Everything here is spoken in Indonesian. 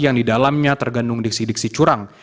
yang didalamnya tergantung diksi diksi curang